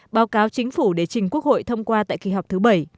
báo cáo chính phủ để trình quốc hội thông qua tại kỳ họp thứ bảy